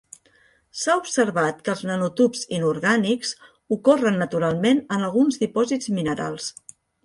S'ha observat que els nanotubs inorgànics ocorren naturalment en alguns dipòsits minerals.